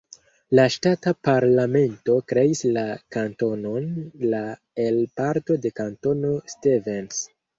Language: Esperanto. La ŝtata parlamento kreis la kantonon la el parto de Kantono Stevens.